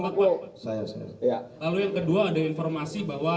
pak pelaku kena undang undang darurat tidak pak